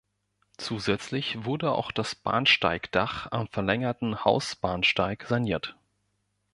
Zusätzlich wurde auch das Bahnsteigdach am verlängerten Hausbahnsteig saniert.